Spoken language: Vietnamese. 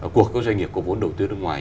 cuộc doanh nghiệp của vốn đầu tư nước ngoài